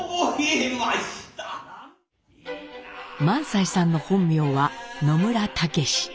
萬斎さんの本名は野村武司。